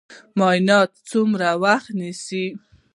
معاینات څومره وخت نیسي؟